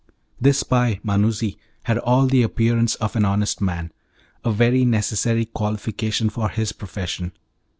This spy, Manuzzi, had all the appearance of an honest man a very necessary qualification for his profession.